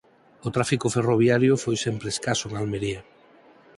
O tráfico ferroviario foi sempre escaso en Almería.